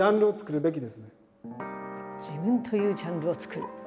「自分というジャンルを作る」。